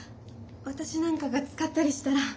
私なんかが使ったりしたら。